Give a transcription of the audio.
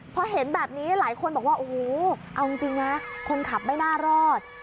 พอเห็นแบบนี้หลายคนบอกว่าโอ้โหเอาจริงนะคนขับไม่น่ารอด